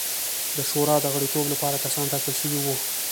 د شورا د غړیتوب لپاره کسان ټاکل شوي وو.